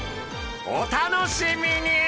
お楽しみに。